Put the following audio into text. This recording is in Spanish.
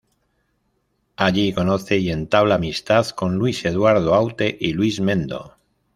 Allí conoce y entabla amistad con Luis Eduardo Aute y Luis Mendo.